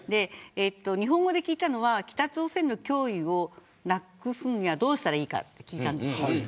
日本語で聞いたのは北朝鮮の脅威をなくすにはどうしたらいいかと聞きました。